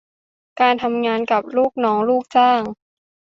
การทำงานกับลูกน้องลูกจ้าง